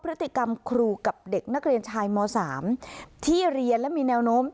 พฤติกรรมครูกับเด็กนักเรียนชายม๓ที่เรียนและมีแนวโน้ม